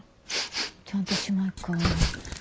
ちゃんと姉妹か。